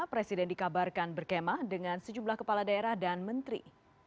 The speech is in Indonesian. presiden dikabarkan berkemah dengan sejumlah kepala daerah dan menteri